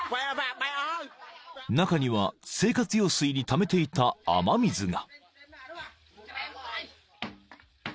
［中には生活用水にためていた雨水が］